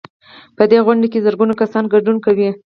په دې غونډه کې زرګونه کسان ګډون کوي.